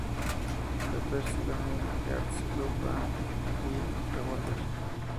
Pepper's Lonely Hearts Club Band" y "Revolver".